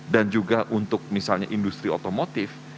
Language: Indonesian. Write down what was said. dan juga untuk misalnya industri otomotif